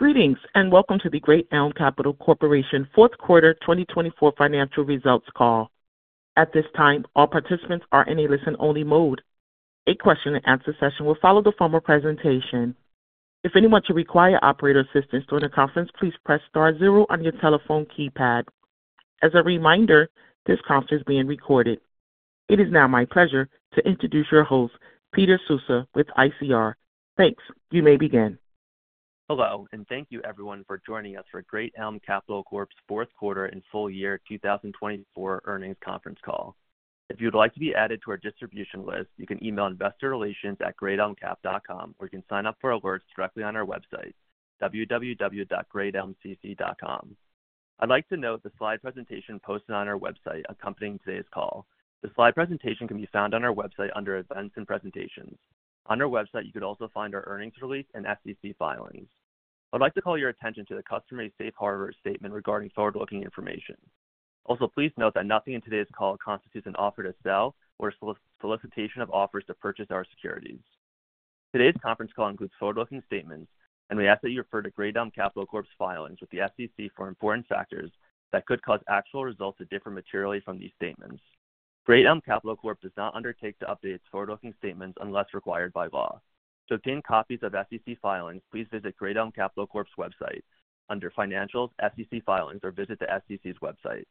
Greetings and welcome to the Great Elm Capital Corp Q4 2024 Financial Results Call. At this time, all participants are in a listen-only mode. A question-and-answer session will follow the formal presentation. If anyone should require operator assistance during the conference, please press star zero on your telephone keypad. As a reminder, this conference is being recorded. It is now my pleasure to introduce your host, Peter Vozzo with ICR. Thanks. You may begin. Hello, and thank you, everyone, for joining us for Great Elm Capital Corp's Q4 and Full Year 2024 Earnings Conference Call. If you would like to be added to our distribution list, you can email investorrelations@greatelmcap.com, or you can sign-up for alerts directly on our website, www.greatelmcc.com. I'd like to note the slide presentation posted on our website accompanying today's call. The slide presentation can be found on our website under Events and Presentations. On our website, you can also find our earnings release and SEC filings. I'd like to call your attention to the customary Safe Harbor statement regarding forward-looking information. Also, please note that nothing in today's call constitutes an offer to sell or solicitation of offers to purchase our securities. Today's conference call includes forward-looking statements, and we ask that you refer to Great Elm Capital Corp's filings with the SEC for important factors that could cause actual results to differ materially from these statements. Great Elm Capital Corp does not undertake to update its forward-looking statements unless required by law. To obtain copies of SEC filings, please visit Great Elm Capital Corp's website under Financials > SEC Filings or visit the SEC's website.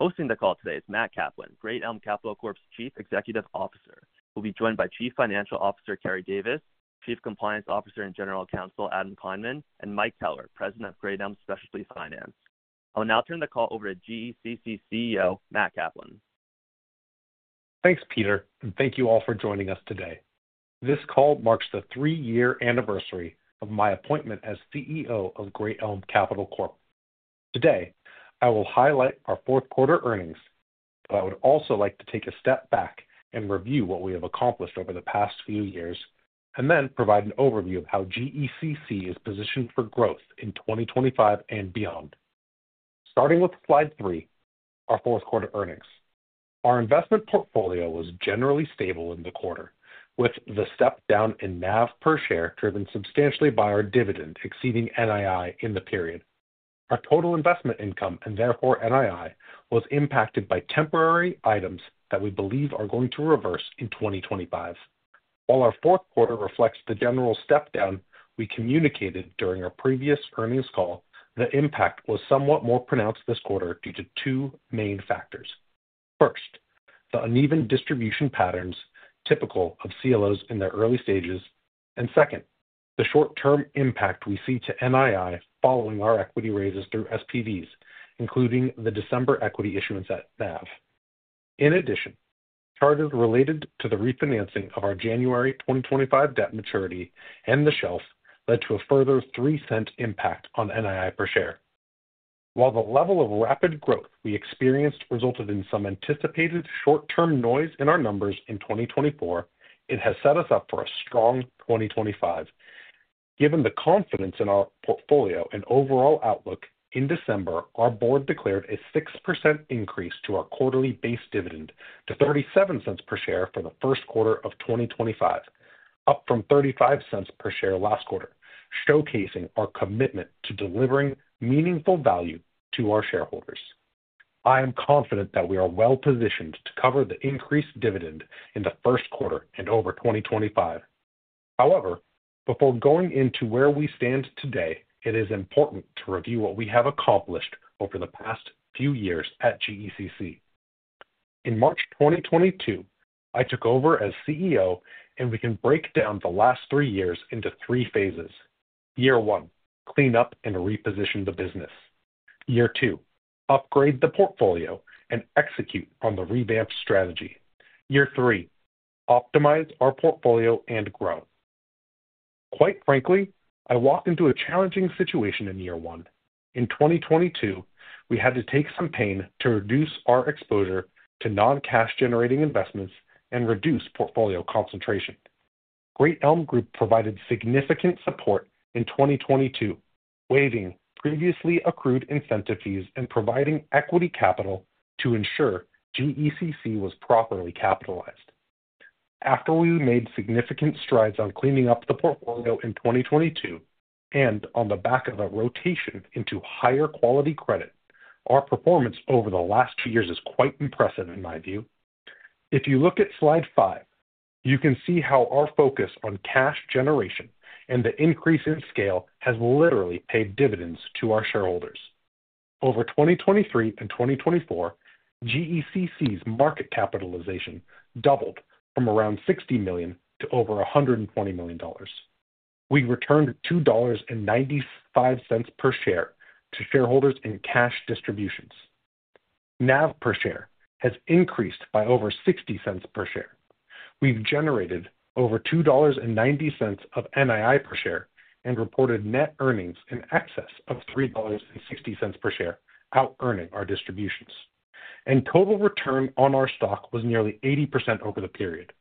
Hosting the call today is Matt Kaplan, Great Elm Capital Corp's Chief Executive Officer. We'll be joined by Chief Financial Officer Keri Davis, Chief Compliance Officer and General Counsel Adam Kleinman, and Mike Keller, President of Great Elm Specialty Finance. I'll now turn the call over to GECC CEO Matt Kaplan. Thanks, Peter, and thank you all for joining us today. This call marks the three-year anniversary of my appointment as CEO of Great Elm Capital Corp. Today, I will highlight our Q4 earnings, but I would also like to take a step back and review what we have accomplished over the past few years, and then provide an overview of how GECC is positioned for growth in 2025 and beyond. Starting with slide three, our Q4 earnings. Our investment portfolio was generally stable in the quarter, with the step down in NAV per share driven substantially by our dividend exceeding NII in the period. Our total investment income, and therefore NII, was impacted by temporary items that we believe are going to reverse in 2025. While our Q4 reflects the general step down we communicated during our previous earnings call, the impact was somewhat more pronounced this quarter due to two main factors. First, the uneven distribution patterns typical of CLOs in their early stages, and second, the short-term impact we see to NII following our equity raises through SPVs, including the December equity issuance at NAV. In addition, charges related to the refinancing of our January 2025 debt maturity and the shelf led to a further $0.03 impact on NII per share. While the level of rapid growth we experienced resulted in some anticipated short-term noise in our numbers in 2024, it has set us up for a strong 2025. Given the confidence in our portfolio and overall outlook, in December, our board declared a 6% increase to our quarterly base dividend to $0.37 per share for the Q1 of 2025, up from $0.35 per share last quarter, showcasing our commitment to delivering meaningful value to our shareholders. I am confident that we are well-positioned to cover the increased dividend in the Q1 and over 2025. However, before going into where we stand today, it is important to review what we have accomplished over the past few years at GECC. In March 2022, I took over as CEO, and we can break down the last three years into three phases. Year one, clean up and reposition the business. Year two, upgrade the portfolio and execute on the revamped strategy. Year three, optimize our portfolio and grow. Quite frankly, I walked into a challenging situation in year one. In 2022, we had to take some pain to reduce our exposure to non-cash-generating investments and reduce portfolio concentration. Great Elm Group provided significant support in 2022, waiving previously accrued incentive fees and providing equity capital to ensure GECC was properly capitalized. After we made significant strides on cleaning up the portfolio in 2022 and on the back of a rotation into higher quality credit, our performance over the last two years is quite impressive, in my view. If you look at slide five, you can see how our focus on cash generation and the increase in scale has literally paid dividends to our shareholders. Over 2023 and 2024, GECC's market capitalization doubled from around $60 million to over $120 million. We returned $2.95 per share to shareholders in cash distributions. NAV per share has increased by over $0.60 per share. We've generated over $2.90 of NII per share and reported net earnings in excess of $3.60 per share, out-earning our distributions. Total return on our stock was nearly 80% over the period,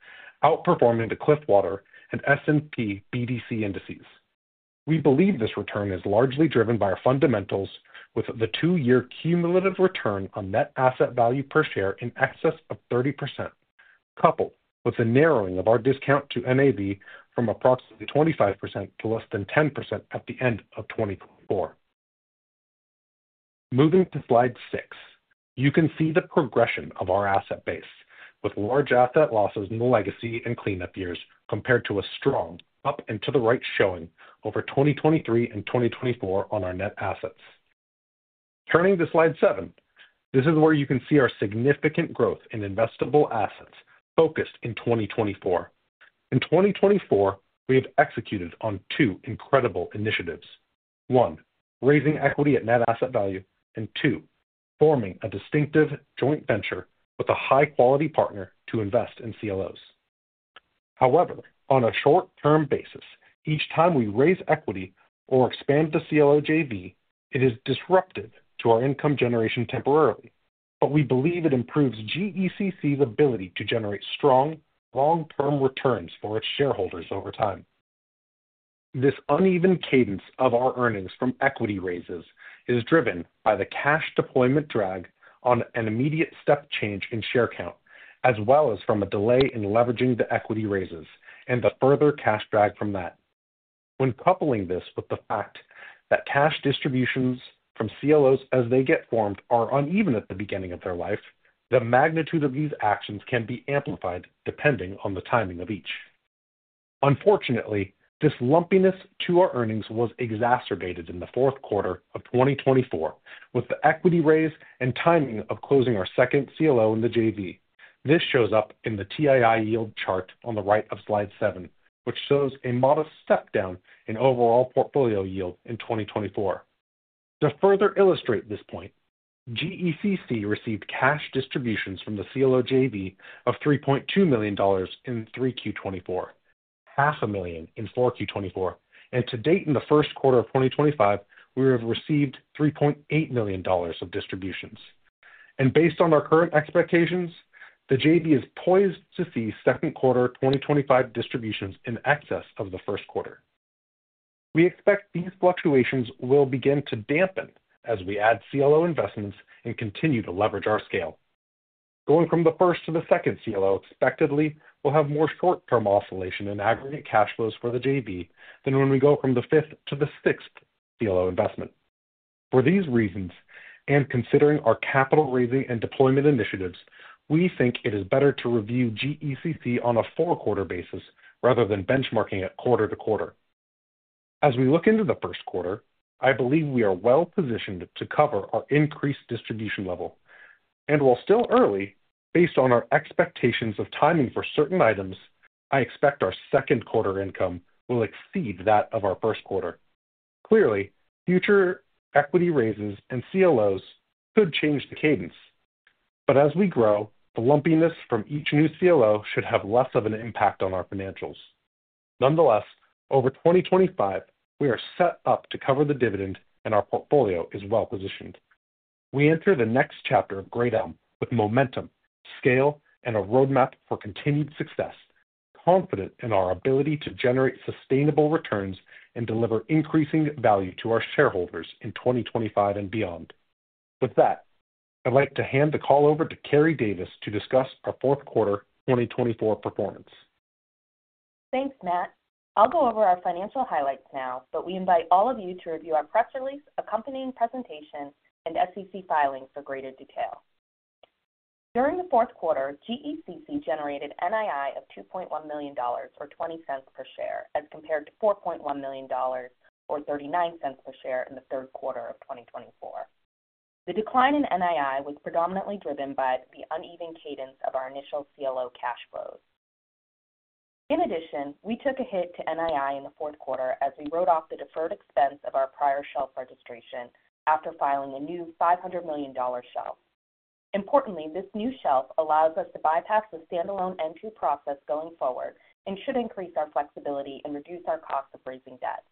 outperforming the Cliffwater and S&P BDC indices. We believe this return is largely driven by our fundamentals, with the two-year cumulative return on net asset value per share in excess of 30%, coupled with the narrowing of our discount to NAV from approximately 25% to less than 10% at the end of 2024. Moving to slide six, you can see the progression of our asset base, with large asset losses in the legacy and cleanup years compared to a strong up and to the right showing over 2023 and 2024 on our net assets. Turning to slide seven, this is where you can see our significant growth in investable assets focused in 2024. In 2024, we have executed on two incredible initiatives: one, raising equity at net asset value, and two, forming a distinctive joint venture with a high-quality partner to invest in CLOs. However, on a short-term basis, each time we raise equity or expand the CLO JV, it is disruptive to our income generation temporarily, but we believe it improves GECC's ability to generate strong long-term returns for its shareholders over time. This uneven cadence of our earnings from equity raises is driven by the cash deployment drag on an immediate step change in share count, as well as from a delay in leveraging the equity raises and the further cash drag from that. When coupling this with the fact that cash distributions from CLOs as they get formed are uneven at the beginning of their life, the magnitude of these actions can be amplified depending on the timing of each. Unfortunately, this lumpiness to our earnings was exacerbated in the Q4 of 2024 with the equity raise and timing of closing our second CLO in the JV. This shows up in the TII yield chart on the right of slide seven, which shows a modest step down in overall portfolio yield in 2024. To further illustrate this point, GECC received cash distributions from the CLO JV of $3.2 million in Q3 2024, $500,000 in Q4 2024, and to date in the Q1 of 2025, we have received $3.8 million of distributions. Based on our current expectations, the JV is poised to see Q2 2025 distributions in excess of the Q1. We expect these fluctuations will begin to dampen as we add CLO investments and continue to leverage our scale. Going from the first to the second CLO, expectedly, we'll have more short-term oscillation in aggregate cash flows for the JV than when we go from the fifth to the sixth CLO investment. For these reasons, and considering our capital raising and deployment initiatives, we think it is better to review GECC on a four-quarter basis rather than benchmarking it quarter-to-quarter. As we look into the Q1, I believe we are well-positioned to cover our increased distribution level. While still early, based on our expectations of timing for certain items, I expect our Q2 income will exceed that of our Q1. Clearly, future equity raises and CLOs could change the cadence, but as we grow, the lumpiness from each new CLO should have less of an impact on our financials. Nonetheless, over 2025, we are set up to cover the dividend, and our portfolio is well-positioned. We enter the next chapter of Great Elm with momentum, scale, and a roadmap for continued success, confident in our ability to generate sustainable returns and deliver increasing value to our shareholders in 2025 and beyond. With that, I'd like to hand the call over to Keri Davis to discuss our Q4 2024 performance. Thanks, Matt. I'll go over our financial highlights now, but we invite all of you to review our press release, accompanying presentation, and SEC filings for greater detail. During the Q4, GECC generated NII of $2.1 million or 0.20 per share as compared to $4.1 million or 0.39 per share in the Q3 of 2024. The decline in NII was predominantly driven by the uneven cadence of our initial CLO cash flows. In addition, we took a hit to NII in the Q4 as we wrote off the deferred expense of our prior shelf registration after filing a new $500 million shelf. Importantly, this new shelf allows us to bypass the standalone entry process going forward and should increase our flexibility and reduce our cost of raising debt.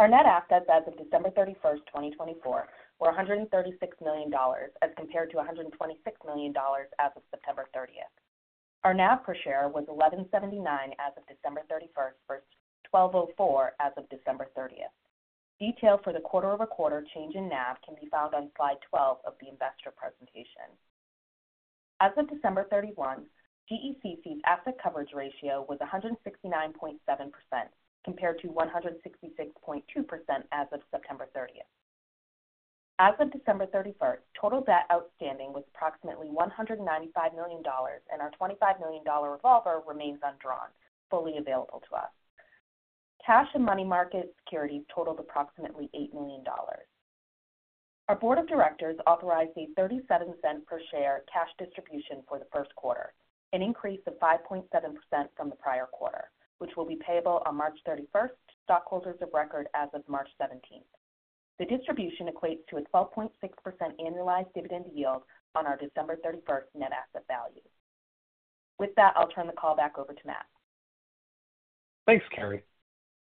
Our net assets as of 31 December 2024, were $136 million as compared to $126 million as of 30 September 2024. Our NAV per share was $11.79 as of 31 December 2024 versus $12.04 as of 30 December 2024. Detail for the quarter-over-quarter change in NAV can be found on slide 12 of the investor presentation. As of 31 December 2024, GECC's asset coverage ratio was 169.7% compared to 166.2% as of 30 September 2024. As of 31 December 2024, total debt outstanding was approximately $195 million, and our $25 million revolver remains undrawn, fully available to us. Cash and money market securities totaled approximately $8 million. Our board of directors authorized a $0.37 per share cash distribution for the Q1, an increase of 5.7% from the prior quarter, which will be payable on 31 March 2024 to stockholders of record as of 17 March 2024. The distribution equates to a 12.6% annualized dividend yield on our 31 December 2024 net asset value. With that, I'll turn the call back over to Matt. Thanks, Keri.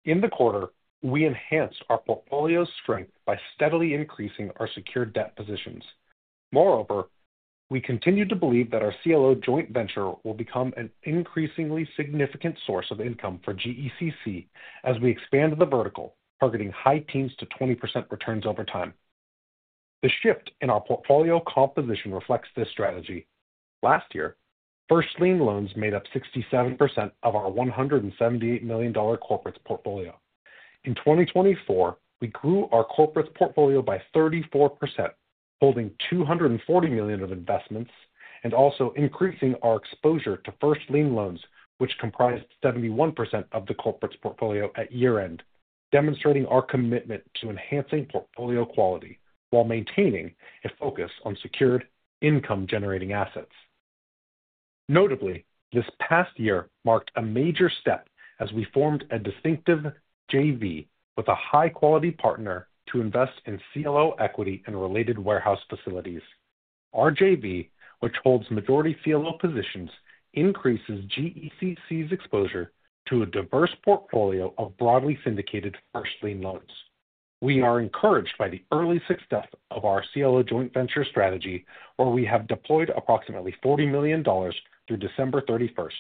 In the quarter, we enhanced our portfolio strength by steadily increasing our secured debt positions. Moreover, we continue to believe that our CLO joint venture will become an increasingly significant source of income for GECC as we expand the vertical, targeting high teens to 20% returns over time. The shift in our portfolio composition reflects this strategy. Last year, first lien loans made up 67% of our $178 million corporate portfolio. In 2024, we grew our corporate portfolio by 34%, holding $240 million of investments and also increasing our exposure to first lien loans, which comprised 71% of the corporate portfolio at year-end, demonstrating our commitment to enhancing portfolio quality while maintaining a focus on secured income-generating assets. Notably, this past year marked a major step as we formed a distinctive JV with a high-quality partner to invest in CLO equity and related warehouse facilities. Our JV, which holds majority CLO positions, increases GECC's exposure to a diverse portfolio of broadly syndicated first lien loans. We are encouraged by the early success of our CLO joint venture strategy, where we have deployed approximately $40 million through 31 December 2024.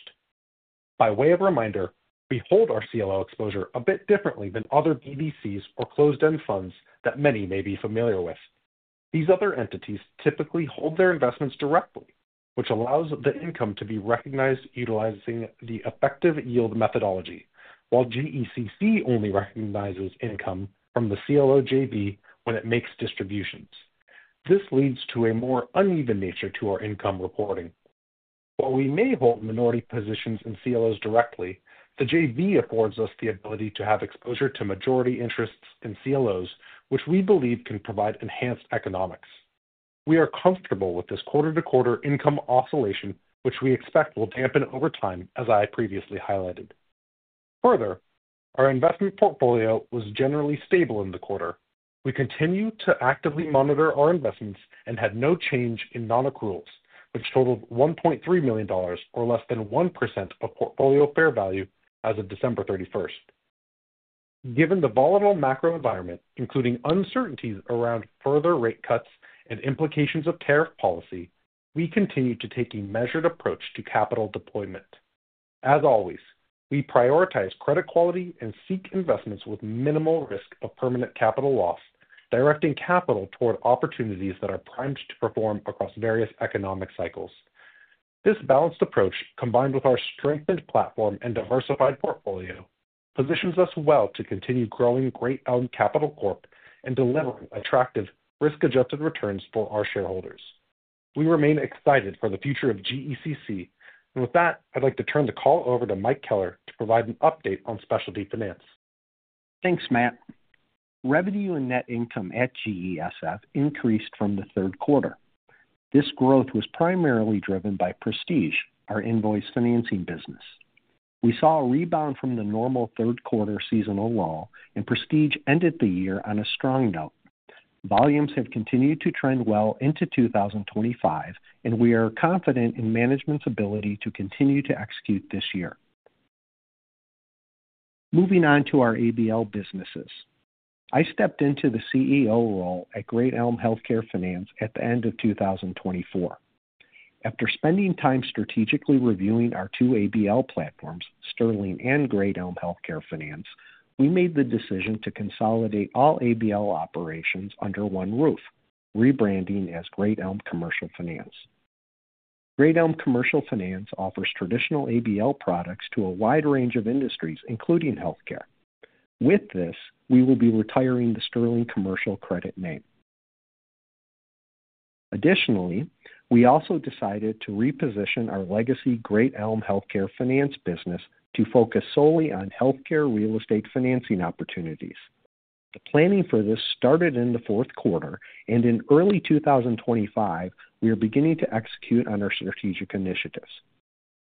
By way of reminder, we hold our CLO exposure a bit differently than other BDCs or closed-end funds that many may be familiar with. These other entities typically hold their investments directly, which allows the income to be recognized utilizing the effective yield methodology, while GECC only recognizes income from the CLO JV when it makes distributions. This leads to a more uneven nature to our income reporting. While we may hold minority positions in CLOs directly, the JV affords us the ability to have exposure to majority interests in CLOs, which we believe can provide enhanced economics. We are comfortable with this quarter-to-quarter income oscillation, which we expect will dampen over time, as I previously highlighted. Further, our investment portfolio was generally stable in the quarter. We continue to actively monitor our investments and had no change in non-accruals, which totaled $1.3 million, or less than 1% of portfolio fair value as of 31 December 2024. Given the volatile macro environment, including uncertainties around further rate cuts and implications of tariff policy, we continue to take a measured approach to capital deployment. As always, we prioritize credit quality and seek investments with minimal risk of permanent capital loss, directing capital toward opportunities that are primed to perform across various economic cycles. This balanced approach, combined with our strengthened platform and diversified portfolio, positions us well to continue growing Great Elm Capital Corp and delivering attractive risk-adjusted returns for our shareholders. We remain excited for the future of GECC, and with that, I'd like to turn the call over to Mike Keller to provide an update on specialty finance. Thanks, Matt. Revenue and net income at GESF increased from the Q3. This growth was primarily driven by Prestige, our invoice financing business. We saw a rebound from the normal Q3 seasonal lull, and Prestige ended the year on a strong note. Volumes have continued to trend well into 2025, and we are confident in management's ability to continue to execute this year. Moving on to our ABL businesses. I stepped into the CEO role at Great Elm Healthcare Finance at the end of 2024. After spending time strategically reviewing our two ABL platforms, Sterling and Great Elm Healthcare Finance, we made the decision to consolidate all ABL operations under one roof, rebranding as Great Elm Commercial Finance. Great Elm Commercial Finance offers traditional ABL products to a wide range of industries, including healthcare. With this, we will be retiring the Sterling Commercial Credit name. Additionally, we also decided to reposition our legacy Great Elm Healthcare Finance business to focus solely on healthcare real estate financing opportunities. The planning for this started in the Q4, and in early 2025, we are beginning to execute on our strategic initiatives.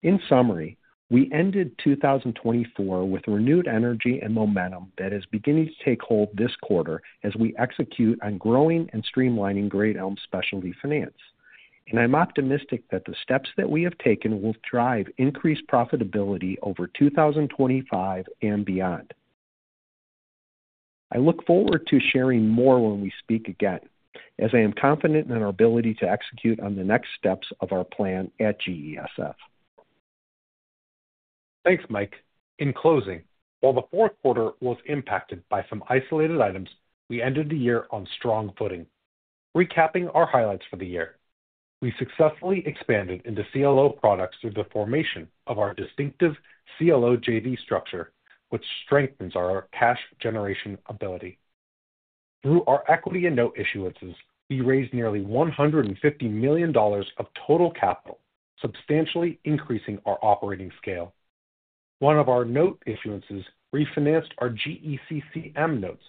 In summary, we ended 2024 with renewed energy and momentum that is beginning to take hold this quarter as we execute on growing and streamlining Great Elm Specialty Finance. And I'm optimistic that the steps that we have taken will drive increased profitability over 2025 and beyond. I look forward to sharing more when we speak again, as I am confident in our ability to execute on the next steps of our plan at GESF. Thanks, Mike. In closing, while the Q4 was impacted by some isolated items, we ended the year on strong footing. Recapping our highlights for the year, we successfully expanded into CLO products through the formation of our distinctive CLO JV structure, which strengthens our cash generation ability. Through our equity and note issuances, we raised nearly $150 million of total capital, substantially increasing our operating scale. One of our note issuances refinanced our GECCM notes,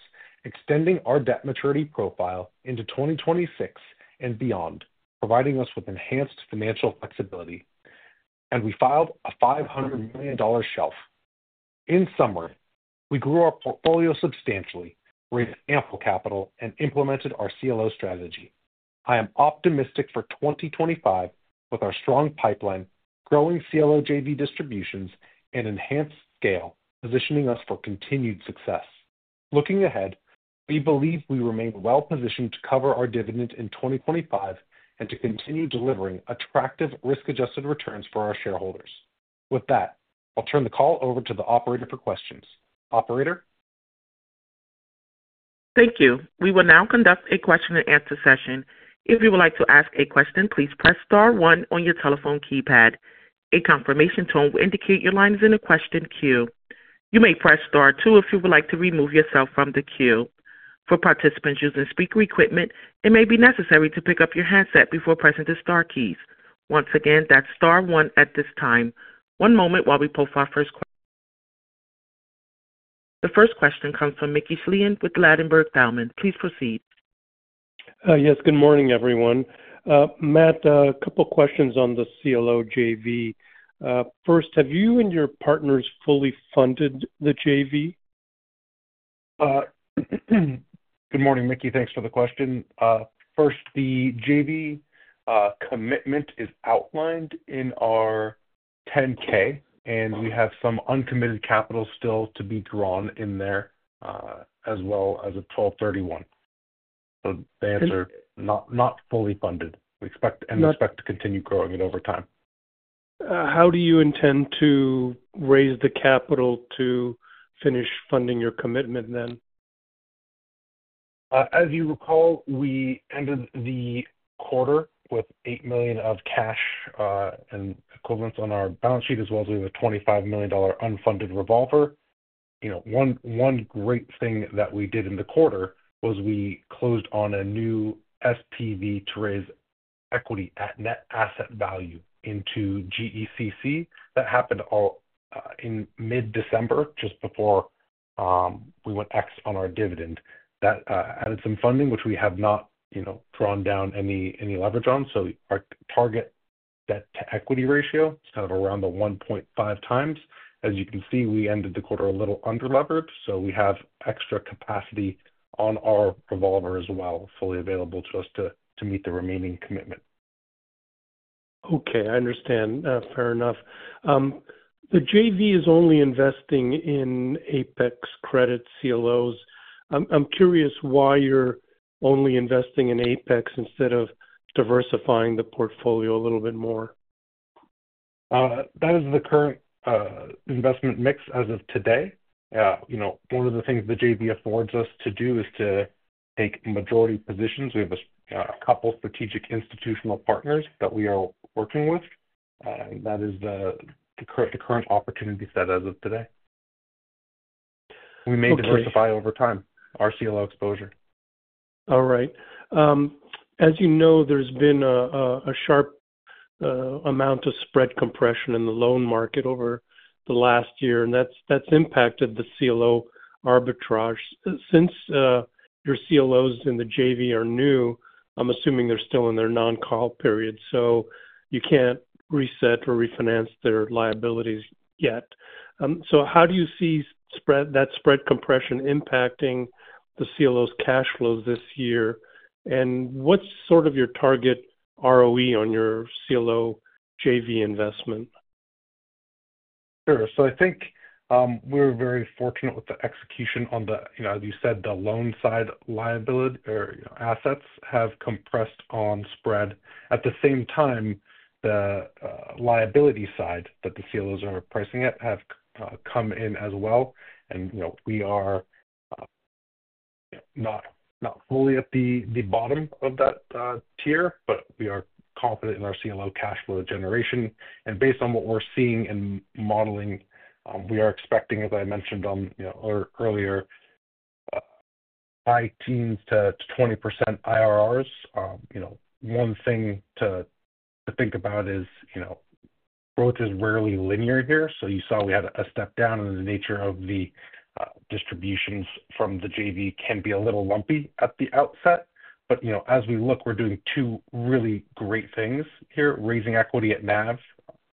extending our debt maturity profile into 2026 and beyond, providing us with enhanced financial flexibility, and we filed a $500 million shelf. In summary, we grew our portfolio substantially, raised ample capital, and implemented our CLO strategy. I am optimistic for 2025 with our strong pipeline, growing CLO JV distributions, and enhanced scale, positioning us for continued success. Looking ahead, we believe we remain well-positioned to cover our dividend in 2025 and to continue delivering attractive risk-adjusted returns for our shareholders. With that, I'll turn the call over to the operator for questions. Operator. Thank you. We will now conduct a question-and-answer session. If you would like to ask a question, please press star one on your telephone keypad. A confirmation tone will indicate your line is in a question queue. You may press star two if you would like to remove yourself from the queue. For participants using speaker equipment, it may be necessary to pick up your handset before pressing the star keys. Once again, that's star one at this time. One moment while we post our first question. The first question comes from Mickey Schleien with Ladenburg Thalmann. Please proceed. Yes, good morning, everyone. Matt, a couple of questions on the CLO JV. First, have you and your partners fully funded the JV? Good morning, Mickey. Thanks for the question. First, the JV commitment is outlined in our 10-K, and we have some uncommitted capital still to be drawn in there as well as at 12/31. The answer is not fully funded. We expect and expect to continue growing it over time. How do you intend to raise the capital to finish funding your commitment then? As you recall, we ended the quarter with $8 million of cash and equivalents on our balance sheet, as well as we have a $25 million unfunded revolver. One great thing that we did in the quarter was we closed on a new SPV to raise equity at net asset value into GECC. That happened all in mid-December, just before we went X on our dividend. That added some funding, which we have not drawn down any leverage on. Our target debt-to-equity ratio is kind of around the 1.5 times. As you can see, we ended the quarter a little underleveraged, so we have extra capacity on our revolver as well, fully available to us to meet the remaining commitment. Okay, I understand. Fair enough. The JV is only investing in Apex Credit CLOs. I'm curious why you're only investing in Apex instead of diversifying the portfolio a little bit more. That is the current investment mix as of today. One of the things the JV affords us to do is to take majority positions. We have a couple of strategic institutional partners that we are working with, and that is the current opportunity set as of today. We may diversify over time, our CLO exposure. All right. As you know, there's been a sharp amount of spread compression in the loan market over the last year, and that's impacted the CLO arbitrage. Since your CLOs in the JV are new, I'm assuming they're still in their non-call period, so you can't reset or refinance their liabilities yet. How do you see that spread compression impacting the CLO's cash flows this year, and what's sort of your target ROE on your CLO JV investment? Sure. I think we're very fortunate with the execution on the, as you said, the loan side. Liability or assets have compressed on spread. At the same time, the liability side that the CLOs are pricing at have come in as well. We are not fully at the bottom of that tier, but we are confident in our CLO cash flow generation. Based on what we're seeing and modeling, we are expecting, as I mentioned earlier, high teens to 20% IRRs. One thing to think about is growth is rarely linear here. You saw we had a step down, and the nature of the distributions from the JV can be a little lumpy at the outset. As we look, we're doing two really great things here: raising equity at NAV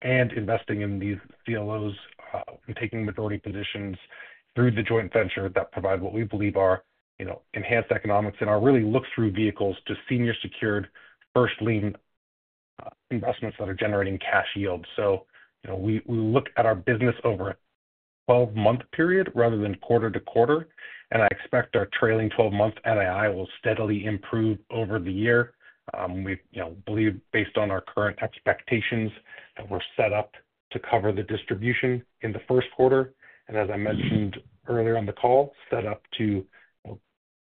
and investing in these CLOs and taking majority positions through the joint venture that provide what we believe are enhanced economics and are really look-through vehicles to senior-secured first lien investments that are generating cash yield. We look at our business over a 12-month period rather than quarter-to-quarter, and I expect our trailing 12-month NII will steadily improve over the year. We believe, based on our current expectations, that we're set up to cover the distribution in the Q1. As I mentioned earlier on the call, set up to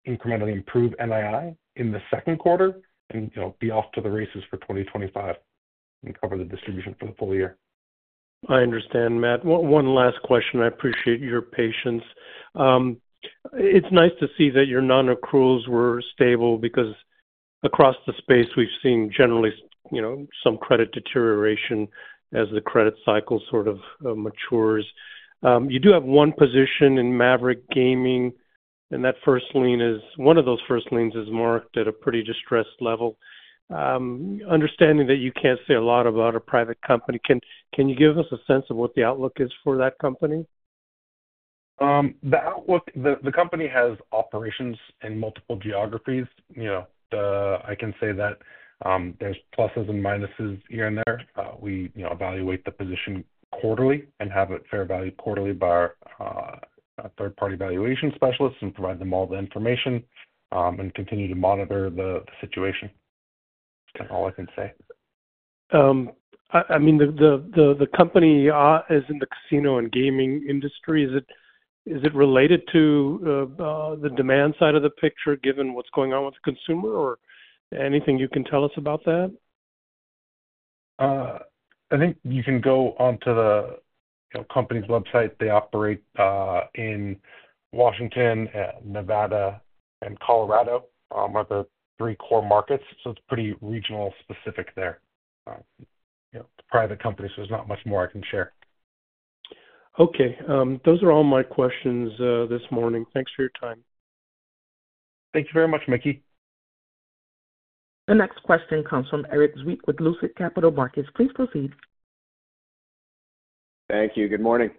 incrementally improve NII in the Q2 and be off to the races for 2025 and cover the distribution for the full year. I understand, Matt. One last question. I appreciate your patience. It's nice to see that your non-accruals were stable because across the space, we've seen generally some credit deterioration as the credit cycle sort of matures. You do have one position in Maverick Gaming, and that first lien is one of those first liens is marked at a pretty distressed level. Understanding that you can't say a lot about a private company, can you give us a sense of what the outlook is for that company? The company has operations in multiple geographies. I can say that there's pluses and minuses here and there. We evaluate the position quarterly and have it fair value quarterly by our third-party valuation specialists and provide them all the information and continue to monitor the situation. That's all I can say. I mean, the company is in the casino and gaming industry. Is it related to the demand side of the picture given what's going on with the consumer or anything you can tell us about that? I think you can go onto the company's website. They operate in Washington, Nevada, and Colorado are the three core markets. It is pretty regional specific there. It is a private company, so there is not much more I can share. Okay. Those are all my questions this morning. Thanks for your time. Thank you very much, Mickey. The next question comes from Erik Zwick with Lucid Capital Markets. Please proceed. Thank you. Good morning.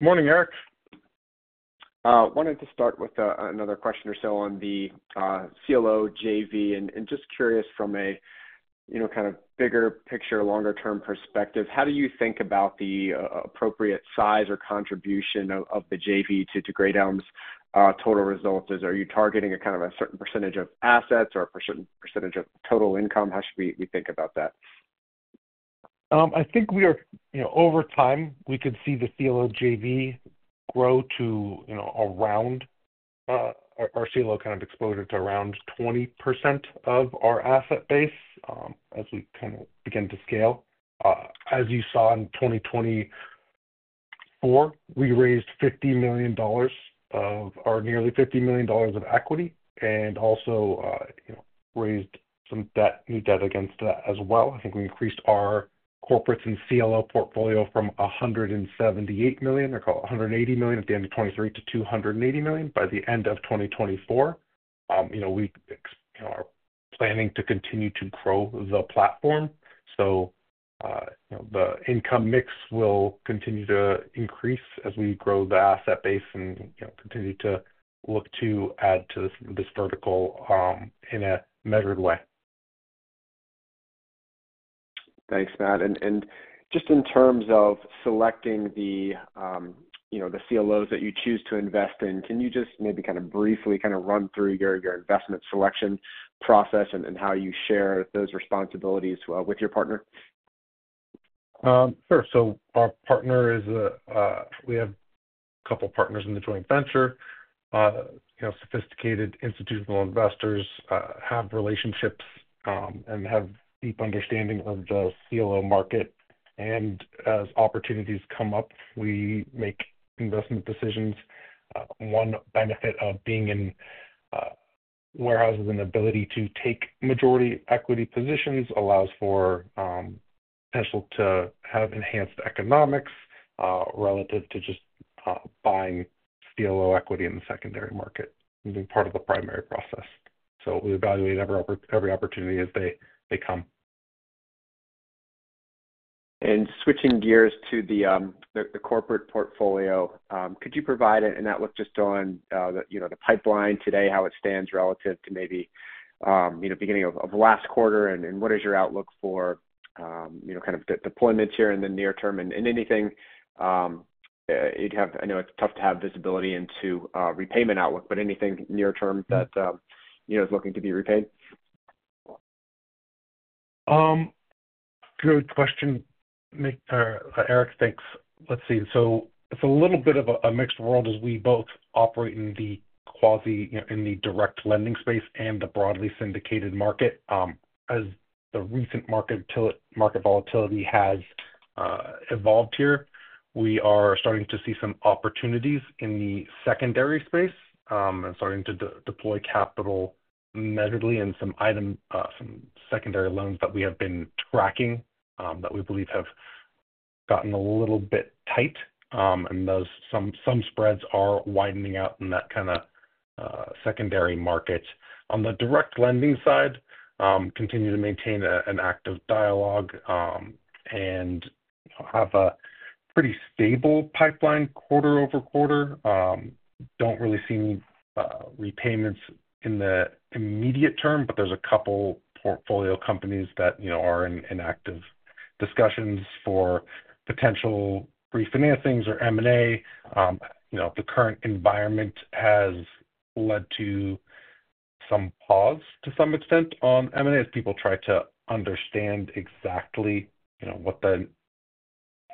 Morning, Erik. Wanted to start with another question or so on the CLO JV and just curious from a kind of bigger picture, longer-term perspective, how do you think about the appropriate size or contribution of the JV to the Great Elm's total results? Are you targeting a kind of a certain percentage of assets or a certain percentage of total income? How should we think about that? I think we are, over time, we could see the CLO JV grow to around our CLO kind of exposure to around 20% of our asset base as we kind of begin to scale. As you saw in 2024, we raised $50 million of our nearly $50 million of equity and also raised some new debt against that as well. I think we increased our corporate and CLO portfolio from $178 million or 180 million at the end of 2023 to $280 million by the end of 2024. We are planning to continue to grow the platform. The income mix will continue to increase as we grow the asset base and continue to look to add to this vertical in a measured way. Thanks, Matt. In terms of selecting the CLOs that you choose to invest in, can you just maybe kind of briefly run through your investment selection process and how you share those responsibilities with your partner? Sure. Our partner is a we have a couple of partners in the joint venture. Sophisticated institutional investors have relationships and have deep understanding of the CLO market. As opportunities come up, we make investment decisions. One benefit of being in warehouses and the ability to take majority equity positions allows for potential to have enhanced economics relative to just buying CLO equity in the secondary market and being part of the primary process. We evaluate every opportunity as they come. Switching gears to the corporate portfolio, could you provide an outlook just on the pipeline today, how it stands relative to maybe the beginning of the last quarter, and what is your outlook for kind of deployment here in the near term? Anything you'd have, I know it's tough to have visibility into repayment outlook, but anything near term that is looking to be repaid? Good question, Erik. Thanks. Let's see. It's a little bit of a mixed world as we both operate in the direct lending space and the broadly syndicated market. As the recent market volatility has evolved here, we are starting to see some opportunities in the secondary space and starting to deploy capital measuredly in some secondary loans that we have been tracking that we believe have gotten a little bit tight. Some spreads are widening out in that kind of secondary market. On the direct lending side, continue to maintain an active dialogue and have a pretty stable pipeline quarter over quarter. Do not really see any repayments in the immediate term, but there are a couple of portfolio companies that are in active discussions for potential refinancings or M&A. The current environment has led to some pause to some extent on M&A as people try to understand exactly what the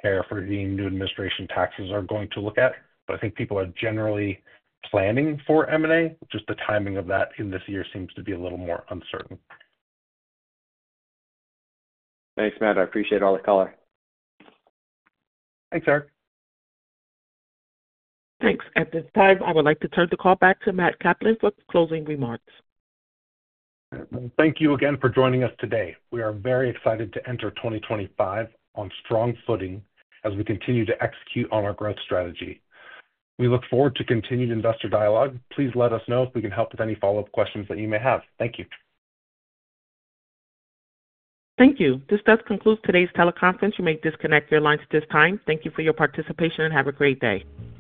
tariff or the new administration taxes are going to look at. I think people are generally planning for M&A. Just the timing of that in this year seems to be a little more uncertain. Thanks, Matt. I appreciate all the color. Thanks, Erik. Thanks. At this time, I would like to turn the call back to Matt Kaplan for closing remarks. Thank you again for joining us today. We are very excited to enter 2025 on strong footing as we continue to execute on our growth strategy. We look forward to continued investor dialogue. Please let us know if we can help with any follow-up questions that you may have. Thank you. Thank you. This does conclude today's teleconference. You may disconnect your lines at this time. Thank you for your participation and have a great day.